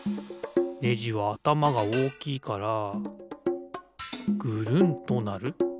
ねじはあたまがおおきいからぐるんとなる。